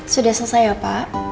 sudah selesai ya pak